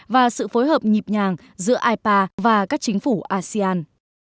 và sự phối hợp nhịp nhàng giữa ipa và các chính phủ asean